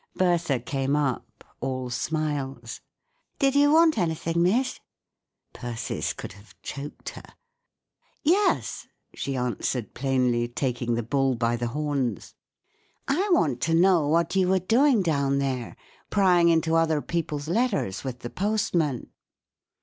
Bertha came up, all smiles :" Did you want anything, miss ? n Persis could have choked her. " Yes/' she answered, plainly, taking the bull by what > ,ou THE GREAT RUBY ROBBERY. 385 were doing down there, prying into other people's letters with the postman